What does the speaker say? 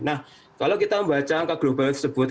nah kalau kita membaca angka global tersebut